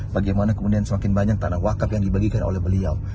bagaimana kemudian semakin banyak tanah wakaf yang dibagikan oleh beliau